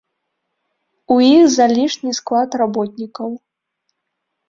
У іх залішні склад работнікаў.